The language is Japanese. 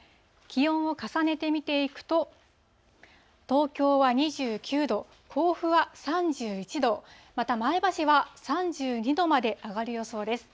気温を重ねて見ていくと、東京は２９度、甲府は３１度、また前橋は３２度まで上がる予想です。